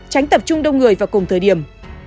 tránh tập trung đông người vào cùng thời điểm